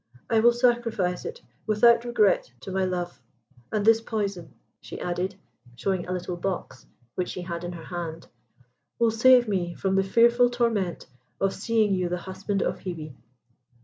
I will sacrifice it without regret to my love, and this poison," she added, showing a little box which she had in her hand, "will save me from the fearful torment of seeing you the husband of Hebe."